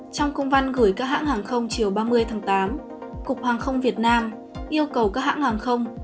trong công văn gửi các hãng hàng không chiều ba mươi tháng tám cục hàng không việt nam yêu cầu các hãng hàng không